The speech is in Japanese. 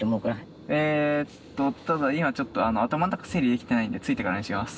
えっとただ今ちょっと頭の中整理できてないんで着いてからにします。